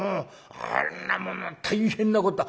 あんなもの大変なことだ。